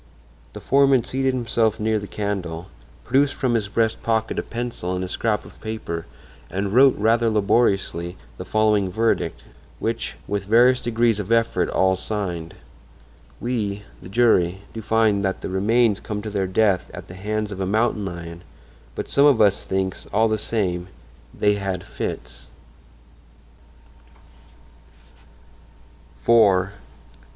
The foreman seated himself near the candle, produced from his breast pocket a pencil and scrap of paper and wrote rather laboriously the following verdict, which with various degrees of effort all signed: "We, the jury, do find that the remains come to their death at the hands of a mountain lion, but some of us thinks, all the same, they had fits."